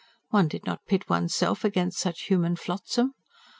One did not pit oneself against such human flotsam.